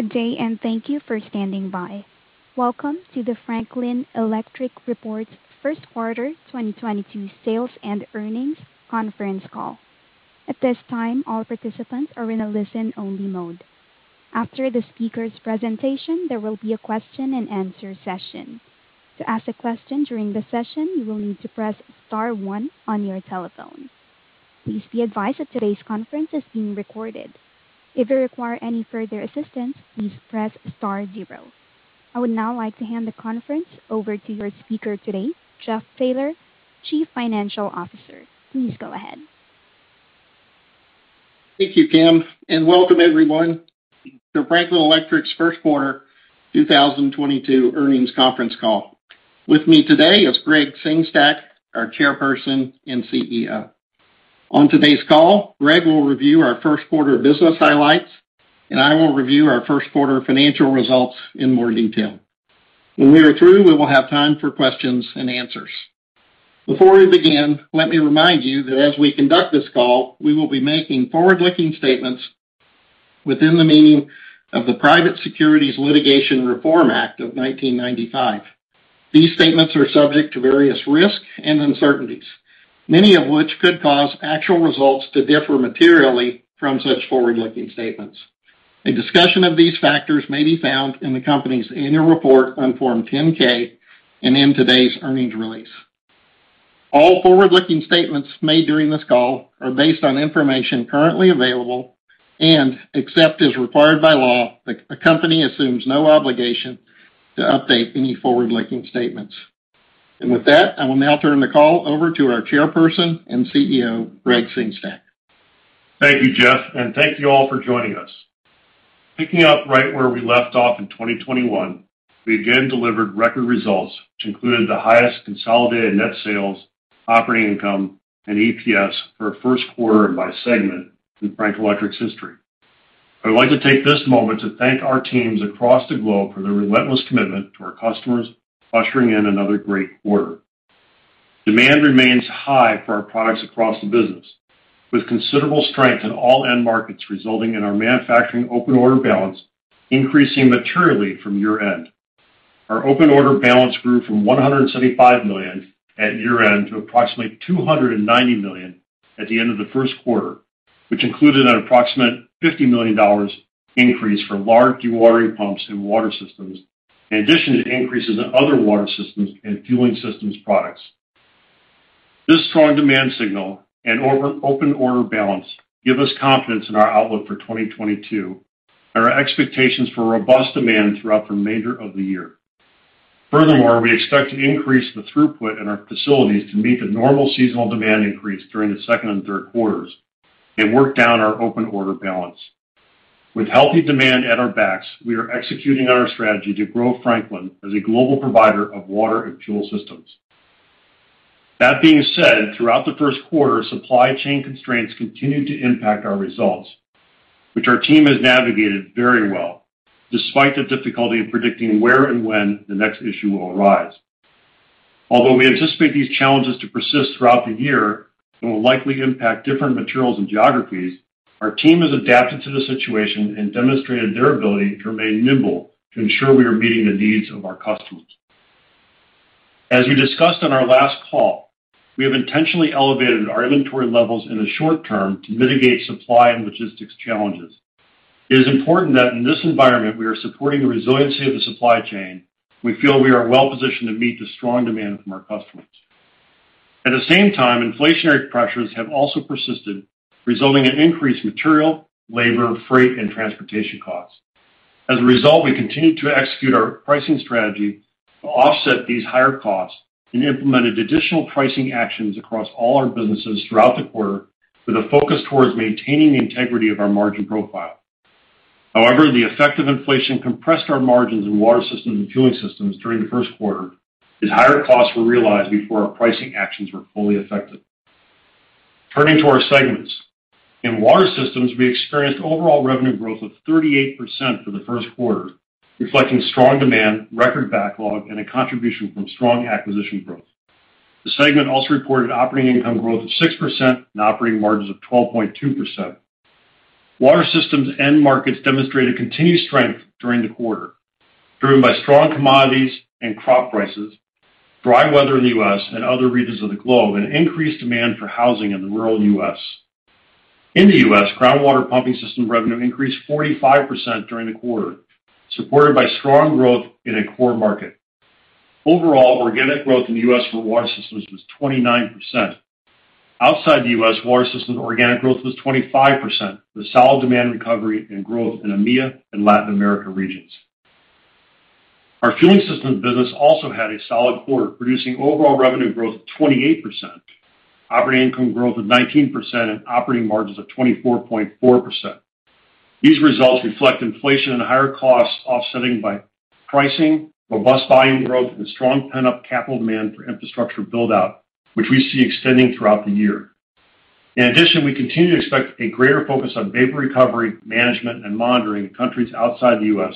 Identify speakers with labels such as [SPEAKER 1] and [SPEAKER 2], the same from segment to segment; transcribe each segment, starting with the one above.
[SPEAKER 1] Good day and thank you for standing by. Welcome to the Franklin Electric First Quarter 2022 Sales and Earnings Conference Call. At this time, all participants are in a listen-only mode. After the speaker's presentation, there will be a question-and-answer session. To ask a question during the session, you will need to press star one on your telephone. Please be advised that today's conference is being recorded. If you require any further assistance, please press star zero. I would now like to hand the conference over to your speaker today, Jeff Taylor, Chief Financial Officer. Please go ahead.
[SPEAKER 2] Thank you, Kim, and welcome everyone to Franklin Electric's First Quarter 2022 Earnings Conference Call. With me today is Gregg Sengstack, our Chairperson and CEO. On today's call, Gregg will review our first quarter business highlights, and I will review our first quarter financial results in more detail. When we are through, we will have time for questions and answers. Before we begin, let me remind you that as we conduct this call, we will be making forward-looking statements within the meaning of the Private Securities Litigation Reform Act of 1995. These statements are subject to various risks and uncertainties, many of which could cause actual results to differ materially from such forward-looking statements. A discussion of these factors may be found in the company's annual report on Form 10-K and in today's earnings release. All forward-looking statements made during this call are based on information currently available, and except as required by law, the company assumes no obligation to update any forward-looking statements. With that, I will now turn the call over to our Chairperson and CEO, Gregg Sengstack.
[SPEAKER 3] Thank you, Jeff, and thank you all for joining us. Picking up right where we left off in 2021, we again delivered record results, which included the highest consolidated net sales, operating income, and EPS for a first quarter by segment in Franklin Electric's history. I'd like to take this moment to thank our teams across the globe for their relentless commitment to our customers, ushering in another great quarter. Demand remains high for our products across the business, with considerable strength in all end markets, resulting in our manufacturing open order balance increasing materially from year-end. Our open order balance grew from $175 million at year-end to approximately $290 million at the end of the first quarter, which included an approximate $50 million increase for large dewatering pumps and water systems, in addition to increases in other water systems and fueling systems products. This strong demand signal and our open order balance give us confidence in our outlook for 2022 and our expectations for robust demand throughout the remainder of the year. Furthermore, we expect to increase the throughput in our facilities to meet the normal seasonal demand increase during the second and third quarters and work down our open order balance. With healthy demand at our backs, we are executing on our strategy to grow Franklin as a global provider of water and fuel systems. That being said, throughout the first quarter, supply chain constraints continued to impact our results, which our team has navigated very well, despite the difficulty of predicting where and when the next issue will arise. Although we anticipate these challenges to persist throughout the year and will likely impact different materials and geographies, our team has adapted to the situation and demonstrated their ability to remain nimble to ensure we are meeting the needs of our customers. As we discussed on our last call, we have intentionally elevated our inventory levels in the short term to mitigate supply and logistics challenges. It is important that in this environment, we are supporting the resiliency of the supply chain. We feel we are well-positioned to meet the strong demand from our customers. At the same time, inflationary pressures have also persisted, resulting in increased material, labor, freight, and transportation costs. As a result, we continued to execute our pricing strategy to offset these higher costs and implemented additional pricing actions across all our businesses throughout the quarter with a focus towards maintaining the integrity of our margin profile. However, the effect of inflation compressed our margins in Water Systems and Fueling Systems during the first quarter as higher costs were realized before our pricing actions were fully effective. Turning to our segments. In Water Systems, we experienced overall revenue growth of 38% for the first quarter, reflecting strong demand, record backlog, and a contribution from strong acquisition growth. The segment also reported operating income growth of 6% and operating margins of 12.2%. Water Systems end markets demonstrated continued strength during the quarter, driven by strong commodities and crop prices, dry weather in the US and other regions of the globe, and increased demand for housing in the rural US In the US, groundwater pumping system revenue increased 45% during the quarter, supported by strong growth in a core market. Overall, organic growth in the US for Water Systems was 29%. Outside the US, Water Systems organic growth was 25%, with solid demand recovery and growth in EMEA and Latin America regions. Our fueling system business also had a solid quarter, producing overall revenue growth of 28%, operating income growth of 19%, and operating margins of 24.4%. These results reflect inflation and higher costs offset by pricing, robust volume growth, and strong pent-up capital demand for infrastructure build-out, which we see extending throughout the year. In addition, we continue to expect a greater focus on vapor recovery, management, and monitoring in countries outside the US,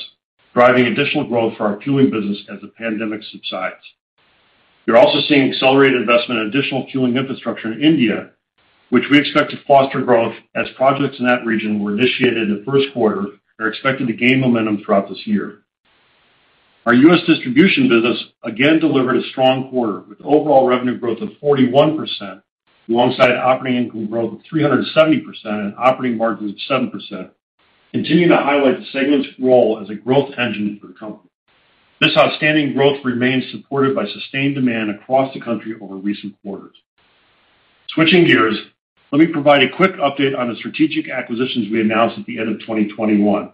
[SPEAKER 3] driving additional growth for our fueling business as the pandemic subsides. You're also seeing accelerated investment in additional fueling infrastructure in India, which we expect to foster growth as projects in that region were initiated in the first quarter are expecting to gain momentum throughout this year. Our US distribution business again delivered a strong quarter with overall revenue growth of 41%, alongside operating income growth of 370% and operating margins of 7%, continuing to highlight the segment's role as a growth engine for the company. This outstanding growth remains supported by sustained demand across the country over recent quarters. Switching gears, let me provide a quick update on the strategic acquisitions we announced at the end of 2021.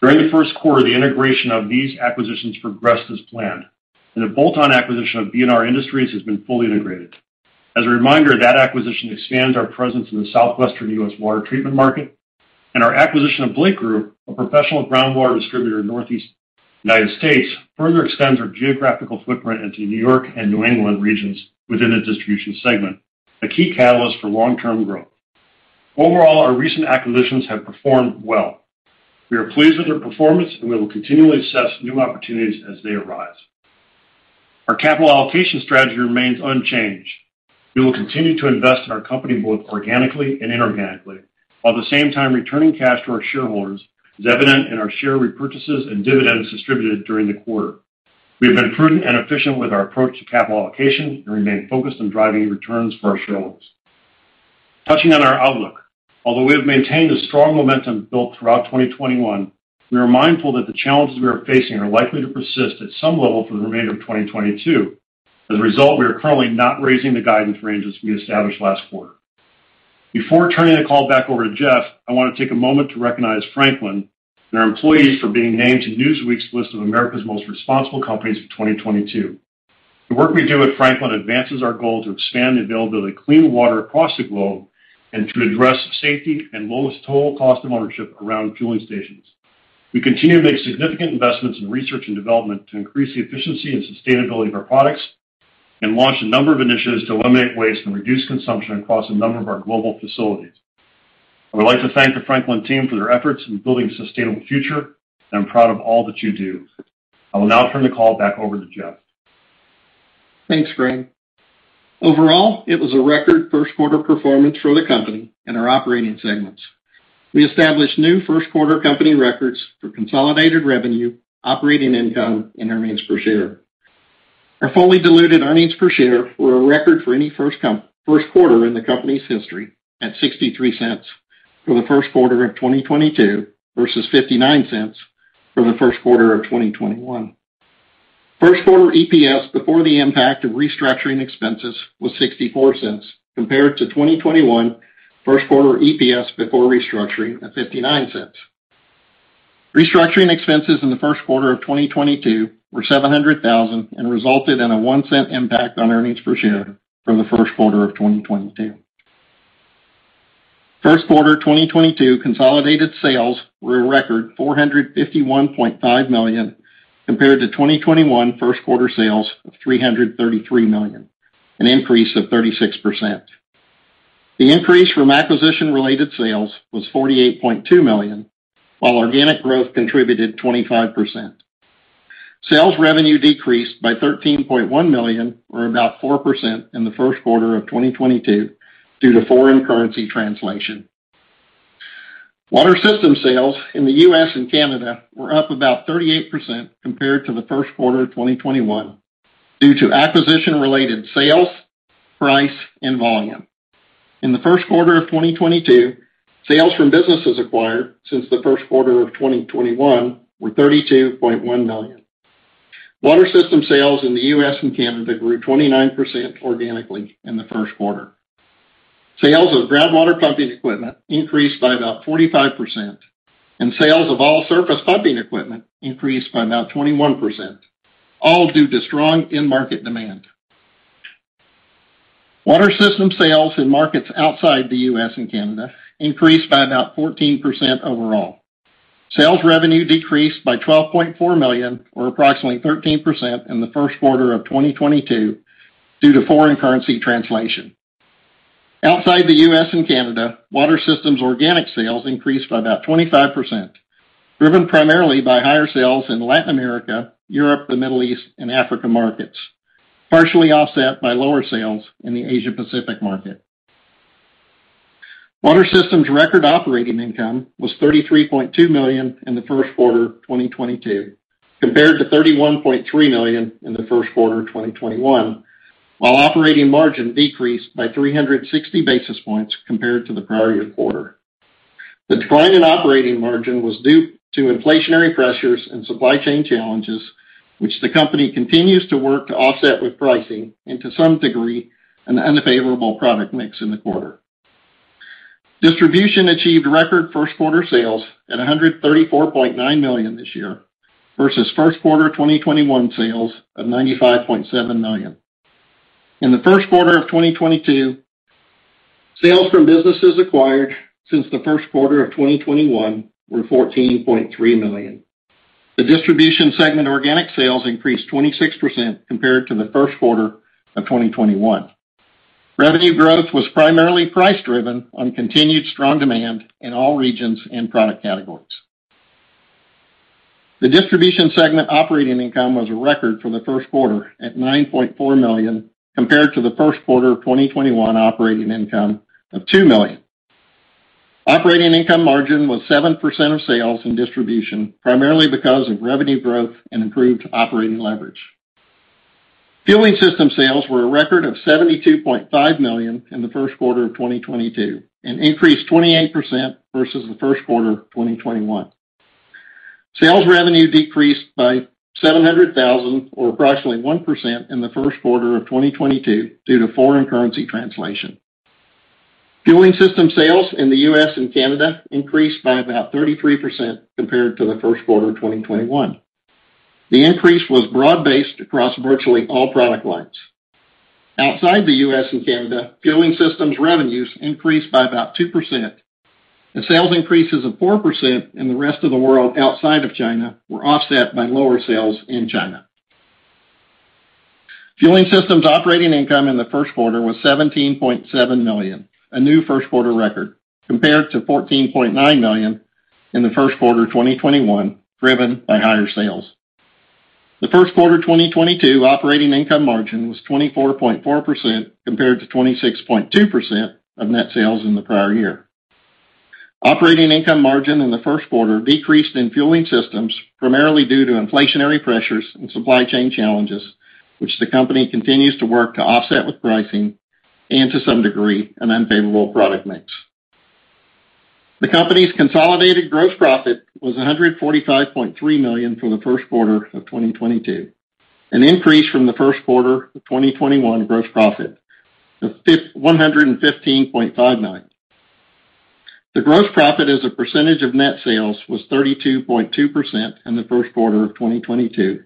[SPEAKER 3] During the first quarter, the integration of these acquisitions progressed as planned, and the bolt-on acquisition of B&R Industries has been fully integrated. As a reminder, that acquisition expands our presence in the Southwestern US water treatment market, and our acquisition of Blake Group, a professional groundwater distributor in Northeast United States, further extends our geographical footprint into New York and New England regions within the Distribution segment, a key catalyst for long-term growth. Overall, our recent acquisitions have performed well. We are pleased with their performance, and we will continually assess new opportunities as they arise. Our capital allocation strategy remains unchanged. We will continue to invest in our company both organically and inorganically, while at the same time returning cash to our shareholders, as evident in our share repurchases and dividends distributed during the quarter. We have been prudent and efficient with our approach to capital allocation and remain focused on driving returns for our shareholders. Touching on our outlook. Although we have maintained a strong momentum built throughout 2021, we are mindful that the challenges we are facing are likely to persist at some level for the remainder of 2022. As a result, we are currently not raising the guidance ranges we established last quarter. Before turning the call back over to Jeff, I want to take a moment to recognize Franklin and our employees for being named to Newsweek's list of America's Most Responsible Companies of 2022. The work we do at Franklin advances our goal to expand the availability of clean water across the globe and to address safety and lowest total cost of ownership around fueling stations. We continue to make significant investments in research and development to increase the efficiency and sustainability of our products and launch a number of initiatives to eliminate waste and reduce consumption across a number of our global facilities. I would like to thank the Franklin team for their efforts in building a sustainable future, and I'm proud of all that you do. I will now turn the call back over to Jeff.
[SPEAKER 2] Thanks, Gregg. Overall, it was a record first quarter performance for the company and our operating segments. We established new first quarter company records for consolidated revenue, operating income, and earnings per share. Our fully diluted earnings per share were a record for any first quarter in the company's history, at $0.63 for the first quarter of 2022 versus $0.59 for the first quarter of 2021. First quarter EPS before the impact of restructuring expenses was $0.64, compared to 2021 first quarter EPS before restructuring at $0.59. Restructuring expenses in the first quarter of 2022 were $700,000 and resulted in a $0.01 impact on earnings per share for the first quarter of 2022. First quarter 2022 consolidated sales were a record $451.5 million, compared to 2021 first quarter sales of $333 million, an increase of 36%. The increase from acquisition-related sales was $48.2 million, while organic growth contributed 25%. Sales revenue decreased by $13.1 million, or about 4%, in the first quarter of 2022 due to foreign currency translation. Water Systems sales in the US and Canada were up about 38% compared to the first quarter of 2021 due to acquisition-related sales, price, and volume. In the first quarter of 2022, sales from businesses acquired since the first quarter of 2021 were $32.1 million. Water Systems sales in the US and Canada grew 29% organically in the first quarter. Sales of groundwater pumping equipment increased by about 45%, and sales of all surface pumping equipment increased by about 21%, all due to strong end market demand. Water Systems sales in markets outside the US and Canada increased by about 14% overall. Sales revenue decreased by $12.4 million, or approximately 13%, in the first quarter of 2022 due to foreign currency translation. Outside the US and Canada, Water Systems organic sales increased by about 25%, driven primarily by higher sales in Latin America, Europe, the Middle East, and Africa markets, partially offset by lower sales in the Asia-Pacific market. Water Systems record operating income was $33.2 million in the first quarter of 2022, compared to $31.3 million in the first quarter of 2021, while operating margin decreased by 360-basis points compared to the prior year quarter. The decline in operating margin was due to inflationary pressures and supply chain challenges, which the company continues to work to offset with pricing and to some degree, an unfavorable product mix in the quarter. Distribution achieved record first quarter sales at $134.9 million this year versus first quarter of 2021 sales of $95.7 million. In the first quarter of 2022, sales from businesses acquired since the first quarter of 2021 were $14.3 million. The Distribution segment organic sales increased 26% compared to the first quarter of 2021. Revenue growth was primarily price-driven on continued strong demand in all regions and product categories. The Distribution segment operating income was a record for the first quarter at $9.4 million compared to the first quarter of 2021 operating income of $2 million. Operating income margin was 7% of sales and Distribution primarily because of revenue growth and improved operating leverage. Fueling Systems sales were a record of $72.5 million in the first quarter of 2022, an increase 28% versus the first quarter of 2021. Sales revenue decreased by $700,000 or approximately 1% in the first quarter of 2022 due to foreign currency translation. Fueling Systems sales in the US and Canada increased by about 33% compared to the first quarter of 2021. The increase was broad-based across virtually all product lines. Outside the US and Canada, Fueling Systems revenues increased by about 2%. The sales increases of 4% in the rest of the world outside of China were offset by lower sales in China. Fueling Systems operating income in the first quarter was $17.7 million, a new first quarter record, compared to $14.9 million in the first quarter of 2021, driven by higher sales. The first quarter 2022 operating income margin was 24.4% compared to 26.2% of net sales in the prior year. Operating income margin in the first quarter decreased in Fueling Systems primarily due to inflationary pressures and supply chain challenges, which the company continues to work to offset with pricing and to some degree, an unfavorable product mix. The company's consolidated gross profit was $145.3 million for the first quarter of 2022, an increase from the first quarter of 2021 gross profit of $115.59 million. The gross profit as a percentage of net sales was 32.2% in the first quarter of 2022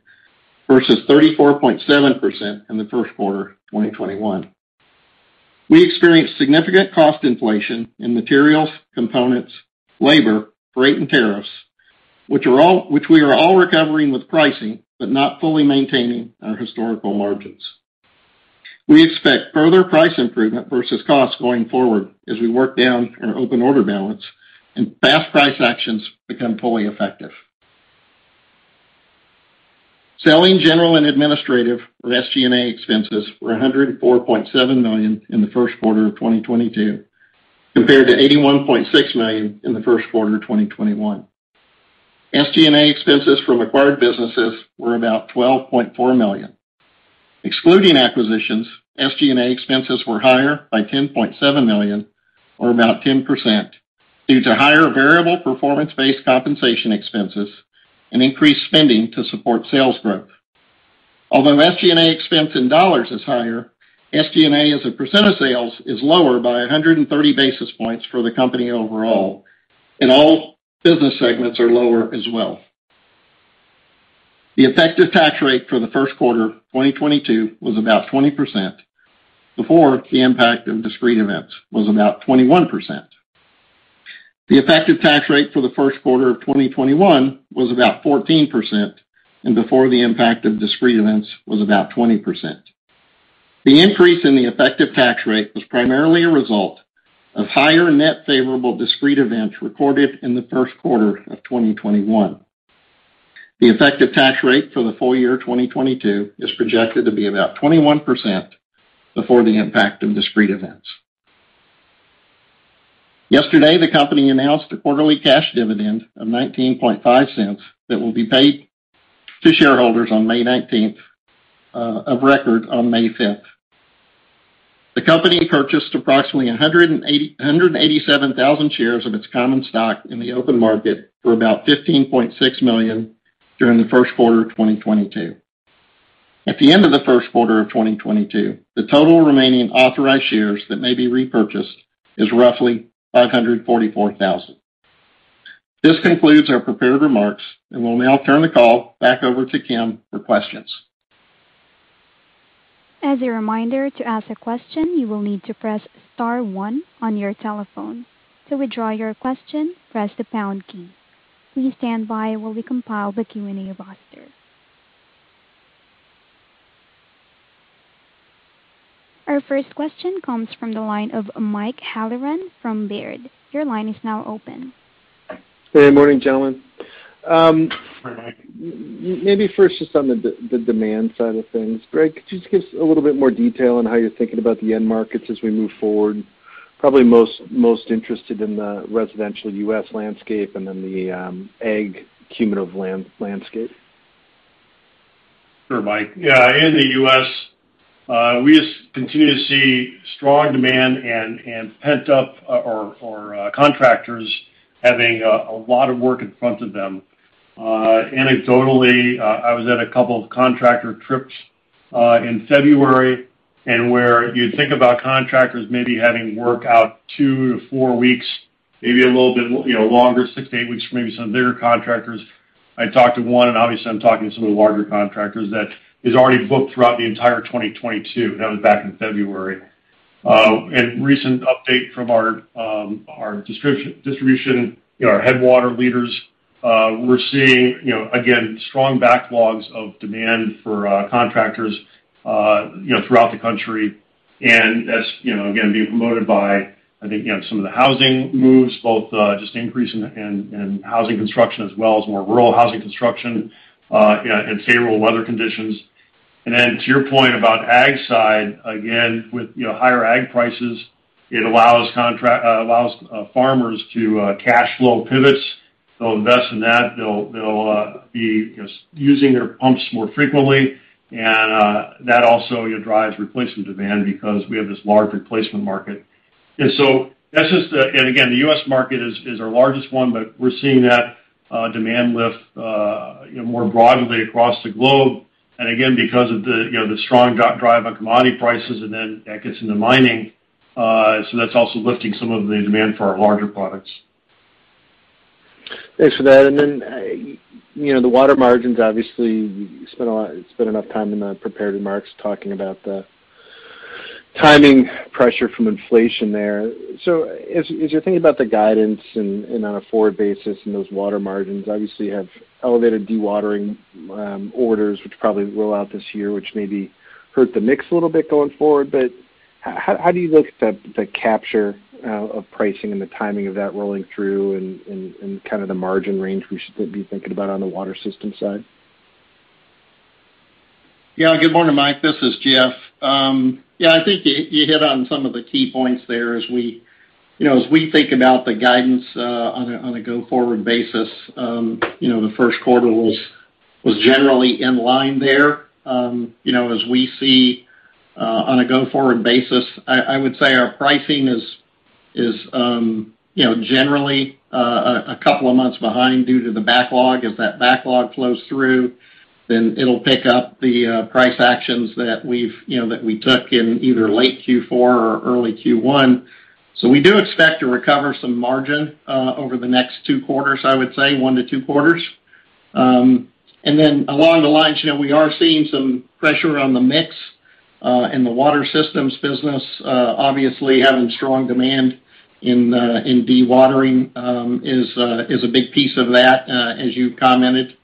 [SPEAKER 2] versus 34.7% in the first quarter of 2021. We experienced significant cost inflation in materials, components, labor, freight, and tariffs, which we are all recovering with pricing, but not fully maintaining our historical margins. We expect further price improvement versus costs going forward as we work down our open order balance and past price actions become fully effective. Selling, general, and administrative or SG&A expenses were $104.7 million in the first quarter of 2022 compared to $81.6 million in the first quarter of 2021. SG&A expenses from acquired businesses were about $12.4 million. Excluding acquisitions, SG&A expenses were higher by $10.7 million or about 10% due to higher variable performance-based compensation expenses and increased spending to support sales growth. Although SG&A expense in dollars is higher, SG&A as a percent of sales is lower by 130-basis points for the company overall, and all business segments are lower as well. The effective tax rate for the first quarter of 2022 was about 20% before the impact of discrete events was about 21%. The effective tax rate for the first quarter of 2021 was about 14%, and before the impact of discrete events was about 20%. The increase in the effective tax rate was primarily a result of higher net favorable discrete events recorded in the first quarter of 2021. The effective tax rate for the full year 2022 is projected to be about 21% before the impact of discrete events. Yesterday, the company announced a quarterly cash dividend of $0.195 that will be paid to shareholders on 19 May 2022, of record on 5 May 2022. The company purchased approximately 187,000 shares of its common stock in the open market for about $15.6 million during the first quarter of 2022. At the end of the first quarter of 2022, the total remaining authorized shares that may be repurchased is roughly 544,000. This concludes our prepared remarks, and we'll now turn the call back over to Kim for questions.
[SPEAKER 1] As a reminder, to ask a question, you will need to press star one on your telephone. To withdraw your question, press the pound key. Please stand by while we compile the Q&A roster. Our first question comes from the line of Mike Halloran from Baird. Your line is now open.
[SPEAKER 4] Hey, morning, gentlemen.
[SPEAKER 2] Hi, Mike.
[SPEAKER 4] Maybe first just on the demand side of things. Gregg, could you just give us a little bit more detail on how you're thinking about the end markets as we move forward? Probably most interested in the residential US landscape and then the ag cumulative landscape.
[SPEAKER 3] Sure, Mike. Yeah. In the US, we just continue to see strong demand and pent-up or contractors having a lot of work in front of them. Anecdotally, I was at a couple of contractor trips in February, and where you'd think about contractors maybe having work out two to four weeks, maybe a little bit, you know, longer, six to eight weeks for maybe some of their contractors. I talked to one, and obviously I'm talking to some of the larger contractors that is already booked throughout the entire 2022, and that was back in February. Recent update from our Distribution, you know, our Headwater leaders, we're seeing, you know, again, strong backlogs of demand for contractors, you know, throughout the country. That's, you know, again, being promoted by, I think, you know, some of the housing moves, both just increase in housing construction as well as more rural housing construction, you know, and favorable weather conditions. Then to your point about ag side, again, with, you know, higher ag prices, it allows farmers to cash flow pivots. They'll invest in that. They'll be just using their pumps more frequently, and that also, you know, drives replacement demand because we have this large replacement market. That's just the. Again, the US market is our largest one, but we're seeing that demand lift, you know, more broadly across the globe. Again, because of the, you know, the strong drive on commodity prices, and then that gets into mining, so that's also lifting some of the demand for our larger products.
[SPEAKER 4] Thanks for that. Then you know, the water margins, obviously, you spent enough time in the prepared remarks talking about the timing pressure from inflation there. As you're thinking about the guidance and on a forward basis and those water margins, obviously, you have elevated dewatering orders, which probably roll out this year, which maybe hurt the mix a little bit going forward. How do you look at the capture of pricing and the timing of that rolling through and kind of the margin range we should be thinking about on the Water Systems side?
[SPEAKER 2] Yeah. Good morning, Mike. This is Jeff. Yeah, I think you hit on some of the key points there. You know, as we think about the guidance on a go-forward basis, you know, the first quarter was generally in line there. You know, as we see on a go-forward basis, I would say our pricing is generally a couple of months behind due to the backlog. As that backlog flows through, then it'll pick up the price actions that we you know took in either late third quarter or early first quarter. We do expect to recover some margin over the next two quarters, I would say, one to two quarters. Along the lines, you know, we are seeing some pressure on the mix in the Water Systems business. Obviously having strong demand in dewatering is a big piece of that, as you commented.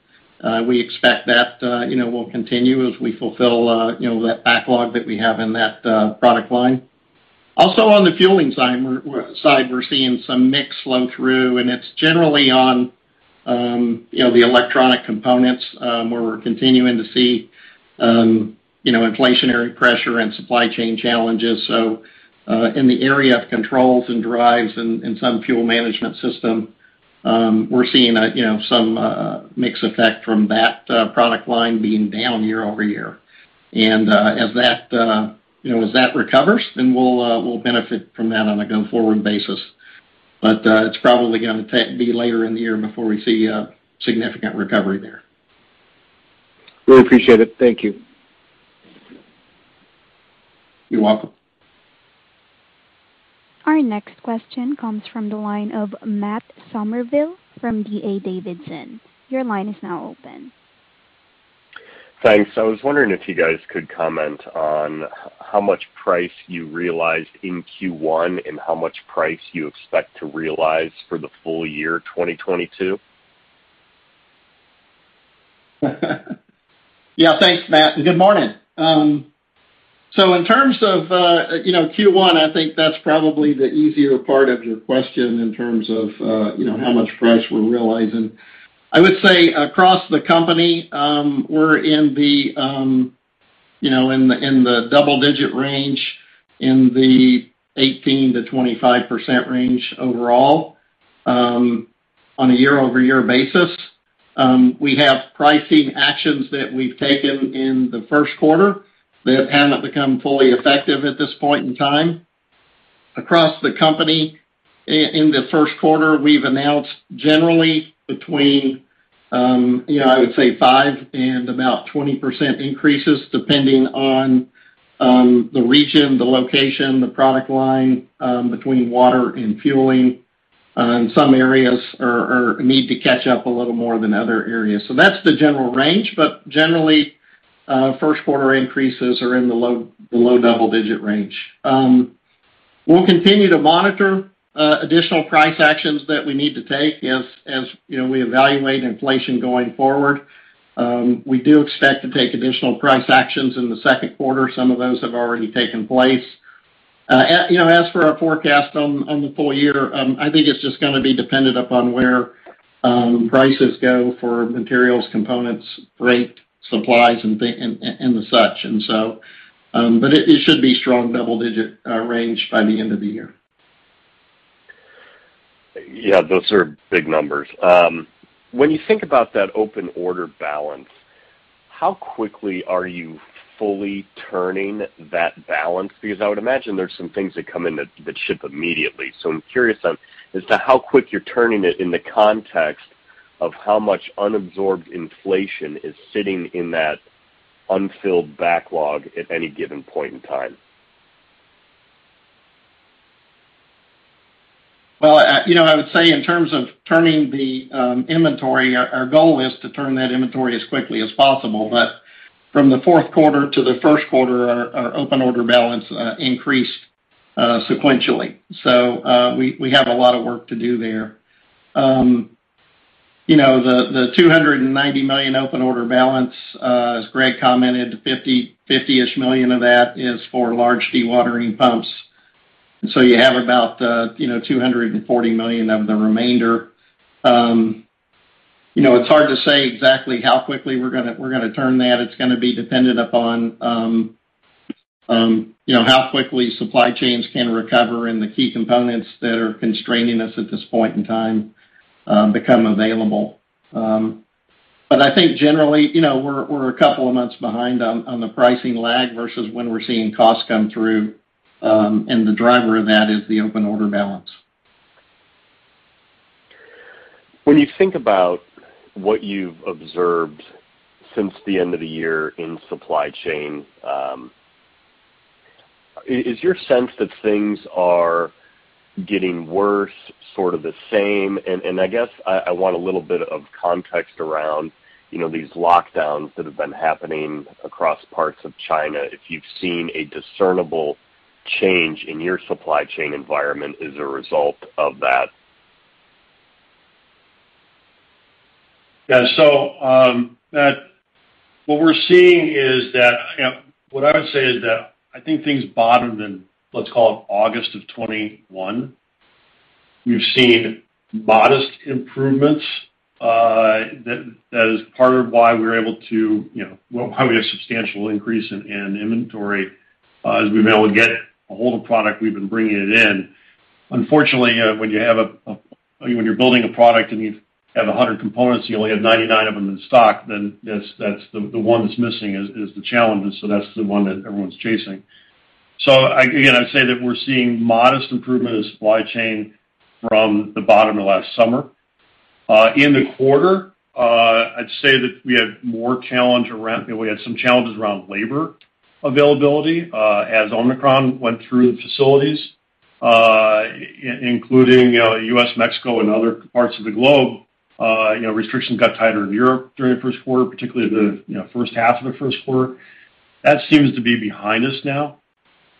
[SPEAKER 2] We expect that, you know, will continue as we fulfill, you know, that backlog that we have in that product line. Also, on the fueling systems side, we're seeing some mix flow through, and it's generally on, you know, the electronic components, where we're continuing to see, you know, inflationary pressure and supply chain challenges. In the area of controls and drives and some fuel management system, we're seeing, you know, some mix effect from that product line being down year-over-year. As that, you know, as that recovers, then we'll benefit from that on a go-forward basis. It's probably gonna be later in the year before we see a significant recovery there.
[SPEAKER 4] Really appreciate it. Thank you.
[SPEAKER 2] You're welcome.
[SPEAKER 1] Our next question comes from the line of Matt Summerville from D.A. Davidson. Your line is now open.
[SPEAKER 5] Thanks. I was wondering if you guys could comment on how much price you realized in first quarter and how much price you expect to realize for the full year 2022?
[SPEAKER 2] Yeah. Thanks, Matt, and good morning. In terms of you know, first quarter, I think that's probably the easier part of your question in terms of you know, how much price we're realizing. I would say across the company, we're in the double-digit range, in the 18% to 25% range overall, on a year-over-year basis. We have pricing actions that we've taken in the first quarter that have not become fully effective at this point in time. Across the company, in the first quarter, we've announced generally between you know, I would say 5% and about 20% increases, depending on the region, the location, the product line, between water and fueling. Some areas need to catch up a little more than other areas. That's the general range, but generally, first quarter increases are in the low double-digit range. We'll continue to monitor additional price actions that we need to take as you know, we evaluate inflation going forward. We do expect to take additional price actions in the second quarter. Some of those have already taken place. You know, as for our forecast on the full year, I think it's just gonna be dependent upon where prices go for materials, components, freight, supplies, and such. But it should be strong double-digit range by the end of the year.
[SPEAKER 5] Yeah, those are big numbers. When you think about that open order balance, how quickly are you fully turning that balance? Because I would imagine there's some things that come in that ship immediately. I'm curious as to how quick you're turning it in the context of how much unabsorbed inflation is sitting in that unfilled backlog at any given point in time.
[SPEAKER 2] Well, you know, I would say in terms of turning the inventory, our goal is to turn that inventory as quickly as possible. From the fourth quarter to the first quarter, our open order balance increased sequentially. We have a lot of work to do there. You know, the $290 million open order balance, as Gregg commented, $ 50million-ish of that is for large dewatering pumps. You have about, you know, $240 million of the remainder. You know, it's hard to say exactly how quickly we're gonna turn that. It's gonna be dependent upon, you know, how quickly supply chains can recover and the key components that are constraining us at this point in time become available. I think generally, you know, we're a couple of months behind on the pricing lag versus when we're seeing costs come through, and the driver of that is the open order balance.
[SPEAKER 5] When you think about what you've observed since the end of the year in supply chain, is your sense that things are getting worse sort of the same? I guess I want a little bit of context around, you know, these lockdowns that have been happening across parts of China, if you've seen a discernible change in your supply chain environment as a result of that.
[SPEAKER 3] What we're seeing is that, you know, what I would say is that I think things bottomed in, let's call it August of 2021. We've seen modest improvements that is part of why we're able to, you know, probably a substantial increase in inventory as we've been able to get a hold of product, we've been bringing it in. Unfortunately, when you're building a product and you have 100 components and you only have 99 of them in stock, then that's the one that's missing is the challenge. That's the one that everyone's chasing. Again, I'd say that we're seeing modest improvement in supply chain from the bottom of last summer. In the quarter, I'd say that we have more challenge around, you know, we had some challenges around labor availability, as Omicron went through the facilities, including, you know, US, Mexico, and other parts of the globe. You know, restrictions got tighter in Europe during the first quarter, particularly the, you know, first half of the first quarter. That seems to be behind us now.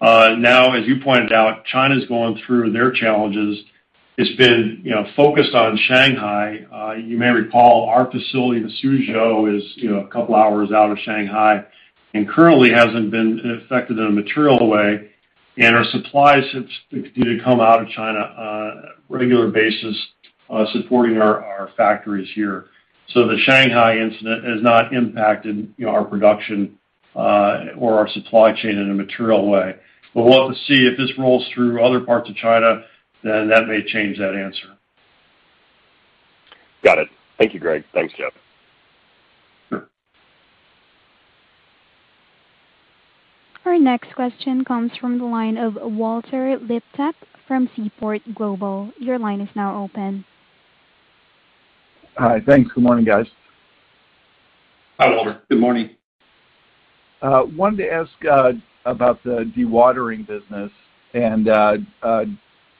[SPEAKER 3] Now, as you pointed out, China's going through their challenges. It's been, you know, focused on Shanghai. You may recall our facility in Suzhou is, you know, a couple hours out of Shanghai, and currently hasn't been affected in a material way. Our supply seems to come out of China on a regular basis, supporting our factories here. The Shanghai incident has not impacted, you know, our production or our supply chain in a material way. We'll want to see if this rolls through other parts of China, then that may change that answer.
[SPEAKER 5] Got it. Thank you, Gregg. Thanks, Jeff.
[SPEAKER 3] Sure.
[SPEAKER 1] Our next question comes from the line of Walter Liptak from Seaport Global. Your line is now open.
[SPEAKER 6] Hi. Thanks. Good morning, guys.
[SPEAKER 3] Hi, Walter. Good morning.
[SPEAKER 6] Wanted to ask about the dewatering business and,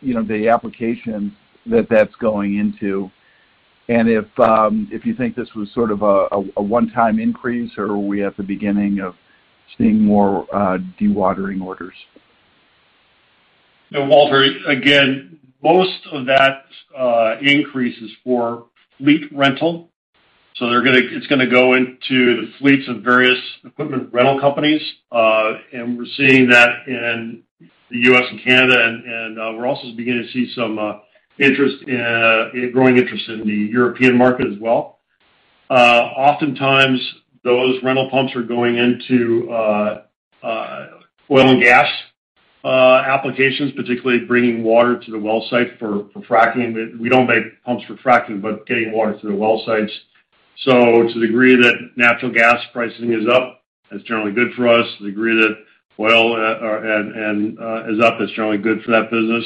[SPEAKER 6] you know, the applications that that's going into, and if you think this was sort of a one-time increase or are we at the beginning of seeing more dewatering orders?
[SPEAKER 3] Walter, again, most of that increase is for fleet rental. It's gonna go into the fleets of various equipment rental companies. We're seeing that in the US and Canada, and we're also beginning to see some interest in growing interest in the European market as well. Oftentimes, those rental pumps are going into oil and gas applications, particularly bringing water to the well site for fracking. We don't make pumps for fracking, but getting water to the well sites. To the degree that natural gas pricing is up, that's generally good for us. The degree that oil and gas is up is generally good for that business.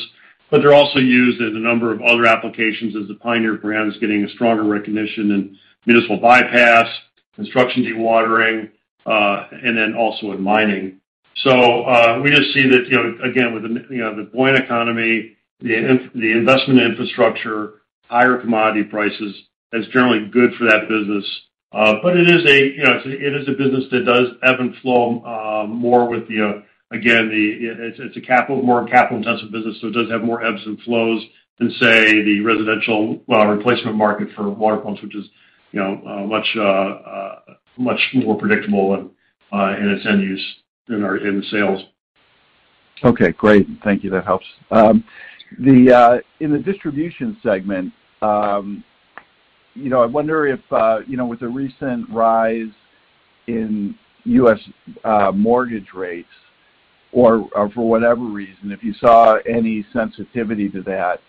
[SPEAKER 3] They're also used in a number of other applications as the Pioneer brand is getting a stronger recognition in municipal bypass, construction dewatering, and then also in mining. We just see that, you know, again, with you know, the buoyant economy, the investment infrastructure, higher commodity prices, that's generally good for that business. It is a, you know, business that does ebb and flow, more with the, again, the, it's a more capital-intensive business, so it does have more ebbs and flows than, say, the residential replacement market for water pumps, which is, you know, much more predictable in its end use in the sales.
[SPEAKER 6] Okay, great. Thank you. That helps. In the Distribution segment, you know, I wonder if you know, with the recent rise in US mortgage rates or for whatever reason, if you saw any sensitivity to that,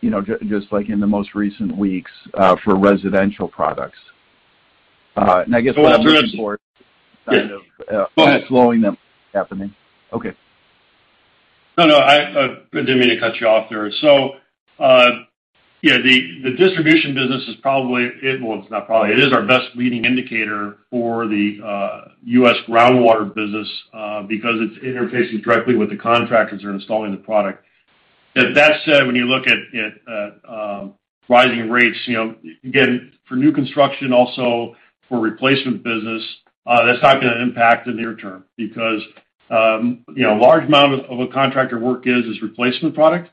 [SPEAKER 6] you know, just like in the most recent weeks for residential products. I guess...
[SPEAKER 3] Well, that's...
[SPEAKER 6] Kind of...
[SPEAKER 3] Go ahead.
[SPEAKER 6] Okay.
[SPEAKER 3] No, I didn't mean to cut you off there. Yeah, the distribution business is our best leading indicator for the US groundwater business because it's interfacing directly with the contractors who are installing the product. With that said, when you look at rising rates, you know, again, for new construction also for replacement business, that's not gonna impact the near term because, you know, large amount of contractor work is replacement product.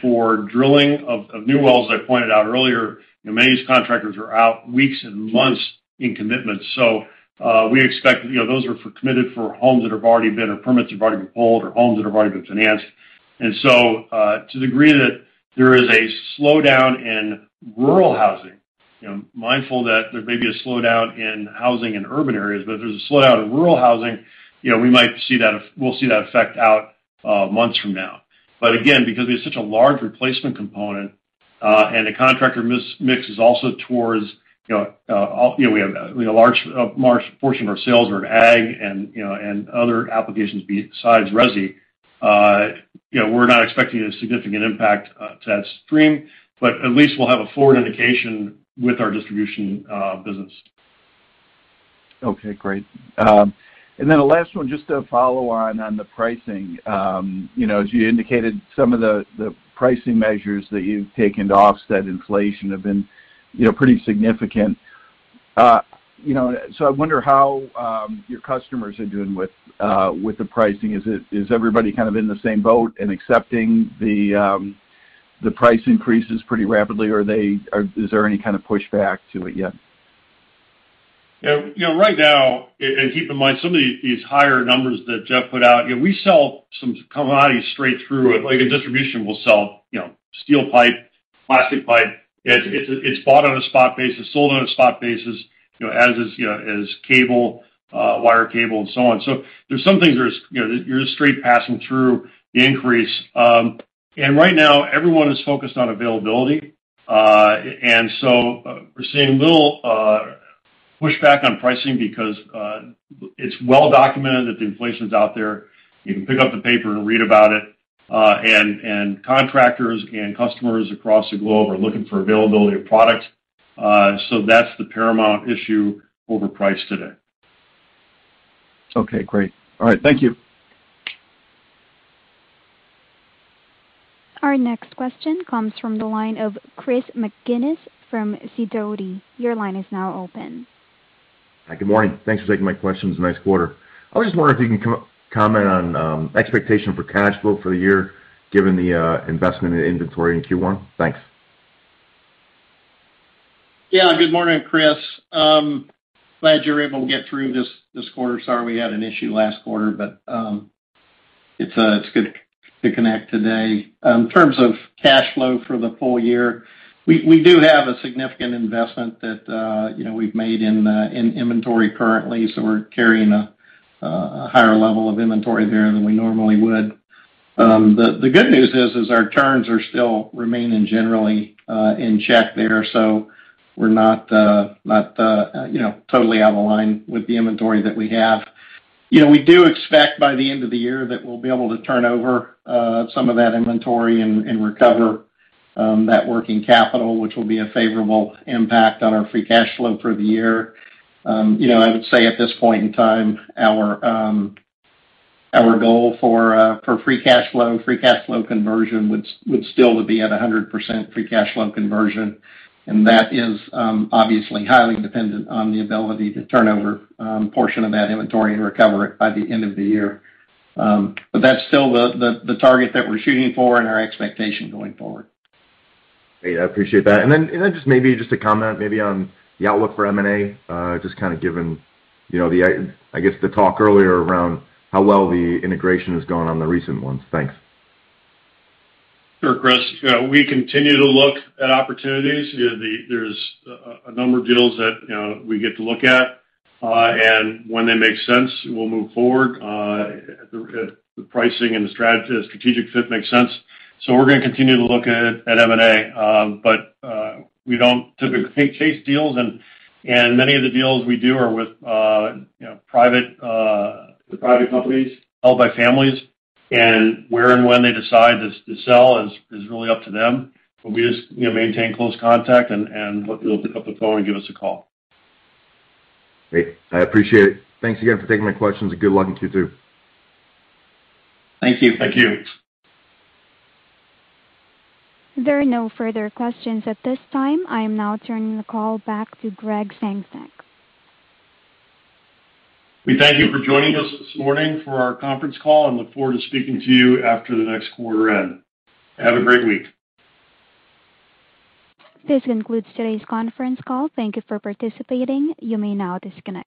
[SPEAKER 3] For drilling of new wells, as I pointed out earlier, you know, many of these contractors are out weeks and months in commitment. We expect, you know, those are committed for homes that have already been or permits that have already been pulled or homes that have already been financed. To the degree that there is a slowdown in rural housing, you know, mindful that there may be a slowdown in housing in urban areas, but if there's a slowdown in rural housing, you know, we might see that effect out months from now. But again, because we have such a large replacement component, and the contractor mix is also towards, you know, we have a large portion of our sales are in ag and, you know, and other applications besides resi. You know, we're not expecting a significant impact to that stream, but at least we'll have a forward indication with our Distribution business.
[SPEAKER 6] Okay, great. The last one, just to follow on the pricing. You know, as you indicated, some of the pricing measures that you've taken to offset inflation have been, you know, pretty significant. You know, I wonder how your customers are doing with the pricing. Is everybody kind of in the same boat and accepting the price increases pretty rapidly, or is there any kind of pushback to it yet?
[SPEAKER 3] Yeah. You know, right now, and keep in mind some of these higher numbers that Jeff put out, you know, we sell some commodities straight through it. Like in Distribution, we'll sell, you know, steel pipe, plastic pipe. It's bought on a spot basis, sold on a spot basis, you know, as is, you know, as cable, wire, cable and so on. There's some things where it's, you know, you're just straight passing through the increase. Right now everyone is focused on availability. We're seeing little pushback on pricing because it's well documented that the inflation is out there. You can pick up the paper and read about it. Contractors and customers across the globe are looking for availability of product. That's the paramount issue over price today.
[SPEAKER 6] Okay, great. All right. Thank you.
[SPEAKER 1] Our next question comes from the line of Chris McGinnis from Sidoti. Your line is now open.
[SPEAKER 7] Hi, good morning. Thanks for taking my questions. Nice quarter. I was just wondering if you can comment on expectation for cash flow for the year given the investment in inventory in first quarter? Thanks.
[SPEAKER 2] Yeah. Good morning, Chris. Glad you're able to get through this quarter. Sorry, we had an issue last quarter, but it's good to connect today. In terms of cash flow for the full year, we do have a significant investment that you know we've made in inventory currently, so we're carrying a higher level of inventory there than we normally would. The good news is our turns are still remaining generally in check there. So we're not you know totally out of line with the inventory that we have. You know, we do expect by the end of the year that we'll be able to turn over some of that inventory and recover that working capital, which will be a favorable impact on our free cash flow for the year. You know, I would say at this point in time, our goal for free cash flow conversion would still be at 100% free cash flow conversion. That is obviously highly dependent on the ability to turn over portion of that inventory and recover it by the end of the year. That's still the target that we're shooting for and our expectation going forward.
[SPEAKER 7] Great. I appreciate that. Just maybe a comment on the outlook for M&A, just kind of given, you know, I guess the talk earlier around how well the integration has gone on the recent ones. Thanks.
[SPEAKER 3] Sure, Chris. You know, we continue to look at opportunities. You know, there's a number of deals that, you know, we get to look at. When they make sense, we'll move forward if the pricing and the strategic fit makes sense. We're gonna continue to look at M&A, but we don't typically chase deals and many of the deals we do are with, you know, private companies held by families. Where and when they decide to sell is really up to them. We just, you know, maintain close contact and hope they'll pick up the phone and give us a call.
[SPEAKER 7] Great. I appreciate it. Thanks again for taking my questions. Good luck in second quarter.
[SPEAKER 2] Thank you.
[SPEAKER 3] Thank you.
[SPEAKER 1] There are no further questions at this time. I am now turning the call back to Gregg Sengstack.
[SPEAKER 3] We thank you for joining us this morning for our conference call and look forward to speaking to you after the next quarter end. Have a great week.
[SPEAKER 1] This concludes today's conference call. Thank you for participating. You may now disconnect.